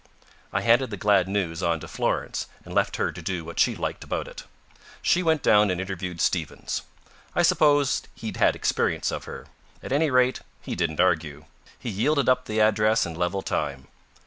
I handed the glad news on to Florence and left her to do what she liked about it. She went down and interviewed Stevens. I suppose he'd had experience of her. At any rate, he didn't argue. He yielded up the address in level time.